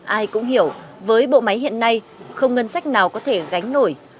ai cũng hiểu với bộ máy hiện nay không ngân sách nào có thể gánh nổi